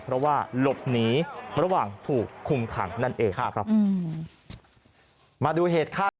เพราะว่าหลบหนีระหว่างถูกคุมขังนั่นเองนะครับอืมมาดูเหตุคาด